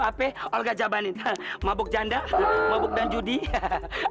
apa olga jabanin mabuk janda mabuk dan judi hahaha